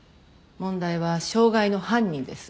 問題は傷害の犯人です。